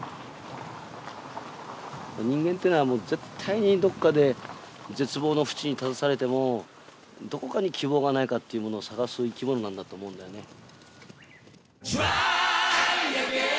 人間というのは絶対にどこかで絶望の淵に立たされてもどこかに希望がないかというものを探す生き物なんだと思うんだよね。